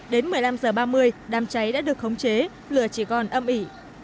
đến một mươi năm h ba mươi đám cháy đã được khống chế lửa chỉ còn âm ỉ